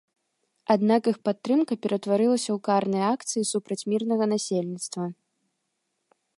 Аднак іх падтрымка ператварылася ў карныя акцыі супраць мірнага насельніцтва.